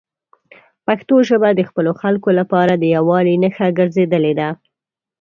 پښتو ژبه د خپلو خلکو لپاره د یووالي نښه ګرځېدلې ده.